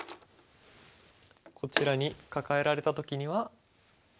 こちらにカカえられた時には？